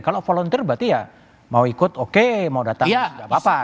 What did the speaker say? kalau volunteer berarti ya mau ikut oke mau datang nggak apa apa